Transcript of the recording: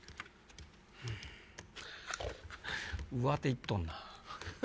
上手行っとんな。